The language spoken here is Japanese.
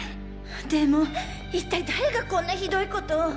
でも一体誰がこんなひどい事を。